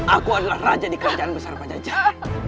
aku adalah raja di kerajaan besar pajajar